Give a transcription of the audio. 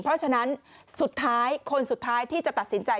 เพราะฉะนั้นคนสุดท้ายที่จะตัดสินใจ